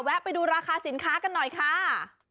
ไปดูราคาสินค้ากันหน่อยค่ะ